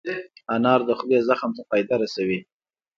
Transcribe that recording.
انار د خولې زخم ته فایده رسوي.